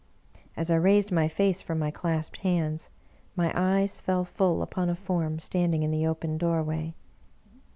As I raised my face from my clasped hands, my eyes fell full upon a form standing in the open doorway.